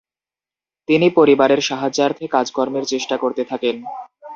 তিনি পরিবারের সাহায্যার্থে কাজকর্মের চেষ্টা করতে থাকেন।